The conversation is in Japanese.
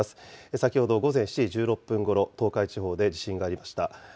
先ほど午前７時１６分ごろ、東海地方で地震がありました。